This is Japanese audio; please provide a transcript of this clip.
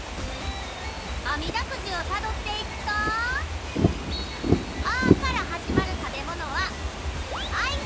あみだくじをたどっていくと「あ」からはじまるたべものはあいす。